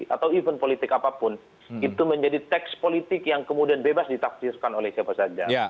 atau event politik apapun itu menjadi teks politik yang kemudian bebas ditafsirkan oleh siapa saja